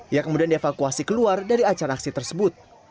ia kemudian dievakuasi keluar dari acara aksi tersebut